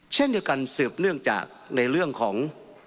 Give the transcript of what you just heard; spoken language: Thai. เช่นเดียวกันสืบเนื่องจากในเรื่องของ